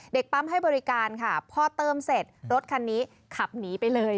ปั๊มให้บริการค่ะพอเติมเสร็จรถคันนี้ขับหนีไปเลย